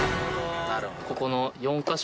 ここの。